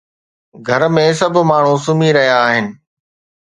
گهر ۾ سڀ ماڻهو سمهي رهيا آهن